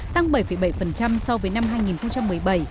tăng bảy bảy so với năm hai nghìn một mươi bảy